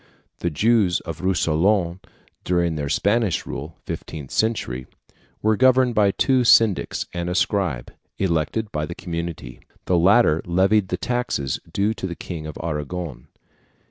The Jews of Rousillon during the Spanish rule (fifteenth century) were governed by two syndics and a scribe, elected by the community. The latter levied the taxes due to the King of Aragon.